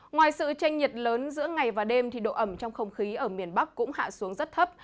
ngoài sự tranh nhiệt lớn giữa ngày và đêm thì độ ẩm trong không khí ở miền bắc cũng hạ xuống rất thấp